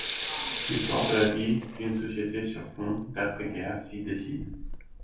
L'histoire de la vie d'une société sur fond d'après-guerre s'y dessine.